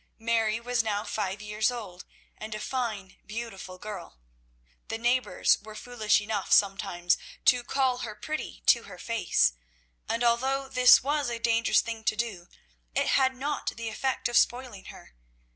Mary was now five years old, and a fine, beautiful girl. The neighbours were foolish enough sometimes to call her pretty to her face, and, although this was a dangerous thing to do, it had not the effect of spoiling her.